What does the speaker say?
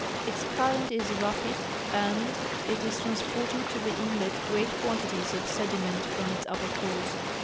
Its current is rapid and it is transporting to the inlet great quantities of sediment from its upper course.